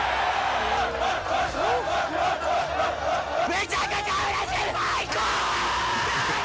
めちゃくちゃうれしい、最高！！